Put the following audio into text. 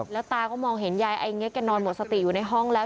แล้วตาก็มองเห็นยายไอเง็กแกนอนหมดสติอยู่ในห้องแล้ว